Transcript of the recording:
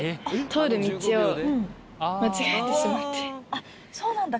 あっそうなんだ。